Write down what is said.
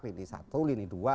lini satu lini dua